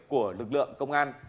của lực lượng công an